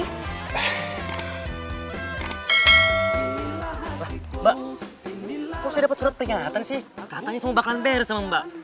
lah mbak kok saya dapet surat peringatan sih katanya semua bakalan beres sama mbak